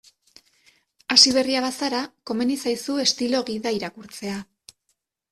Hasiberria bazara, komeni zaizu estilo gida irakurtzea.